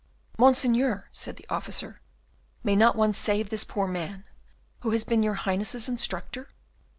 "Monseigneur," said the officer, "may not one save this poor man, who has been your Highness's instructor?